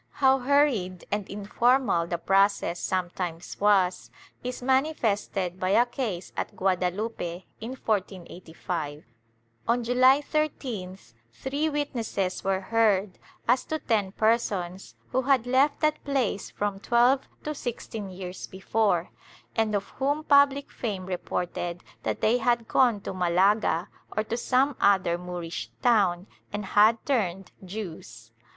How hurried and infor mal the process sometimes was is manifested by a case at Guada lupe in 1485. On July 13th three witnesses were heard as to ten persons who had left that place from twelve to sixteen years before, and of whom public fame reported that they had gone to Malaga or to some other Moorish town, and had turned Jews.